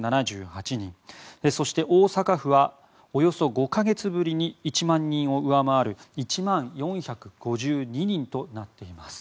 そして大阪府はおよそ５か月ぶりに１万人を上回る１万４５２人となっています。